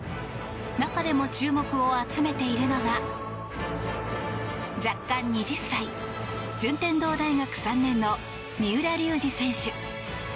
中でも注目を集めているのが弱冠２０歳、順天堂大学３年の三浦龍司選手。